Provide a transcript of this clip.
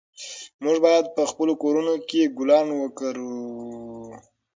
موږ باید په خپلو کورونو کې ګلان وکرلو.